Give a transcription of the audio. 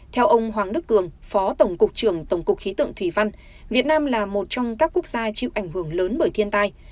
theo ông hoàng đức cường phó tổng cục trưởng tổng cục khí tượng thủy văn việt nam là một trong các quốc gia chịu ảnh hưởng lớn bởi thiên tai